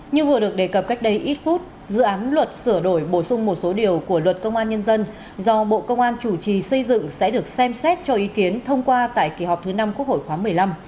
như vừa được đề cập cách đây ít phút dự án luật sửa đổi bổ sung một số điều của luật công an nhân dân do bộ công an chủ trì xây dựng sẽ được xem xét cho ý kiến thông qua tại kỳ họp thứ năm quốc hội khoáng một mươi năm